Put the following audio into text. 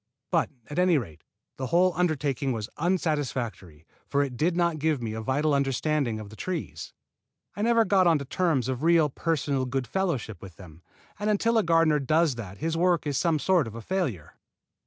But, at any rate, the whole undertaking was unsatisfactory, for it did not give me a vital understanding of the trees. I never got onto terms of real personal goodfellowship with them; and until a gardener does that his work is some sort of a failure.